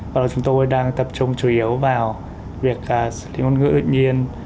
và là chúng tôi đang tập trung chủ yếu vào việc xử lý ngôn ngữ đương nhiên